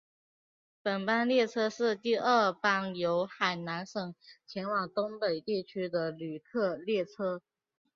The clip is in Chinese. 本班列车是第二班由海南省前往东北地区的旅客列车。